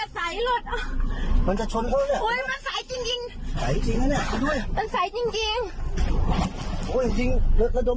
พยายามตัดต้น